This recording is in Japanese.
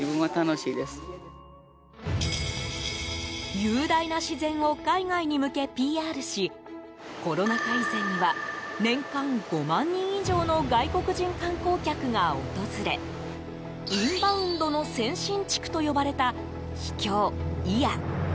雄大な自然を海外に向けＰＲしコロナ禍以前には年間５万人以上の外国人観光客が訪れインバウンドの先進地区と呼ばれた秘境・祖谷。